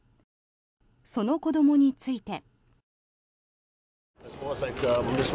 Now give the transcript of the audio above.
その子どもについて。